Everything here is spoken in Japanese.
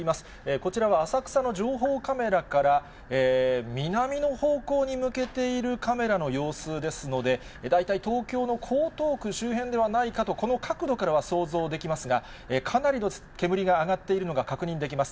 こちらは浅草の情報カメラから、南の方向に向けているカメラの様子ですので、大体、東京の江東区周辺ではないかと、この角度からは想像できますが、かなりの煙が上がっているのが確認できます。